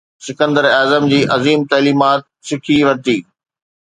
سڪندر اعظم جي عظيم تعليمات سکي ورتي